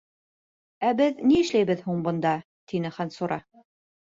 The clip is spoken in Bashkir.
Ә беҙ ни эшләйбеҙ һуң бында? - тине Хансура.